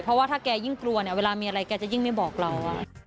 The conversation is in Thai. เพราะว่าถ้าแกยิ่งกลัวเนี่ยเวลามีอะไรแกจะยิ่งไม่บอกเรา